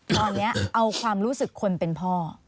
ตอนนี้เอาความรู้สึกคนเป็นพ่อ